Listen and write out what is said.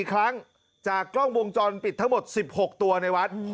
อีกครั้งจากกล้องวงจรปิดทั้งหมด๑๖ตัวในวัด